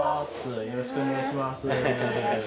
よろしくお願いします。